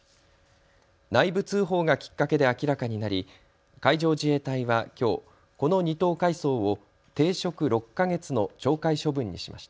内部通報がきっかけで明らかになり海上自衛隊はきょうこの２等海曹を停職６か月の懲戒処分にしました。